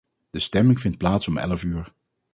De stemming vindt plaats om elf uur.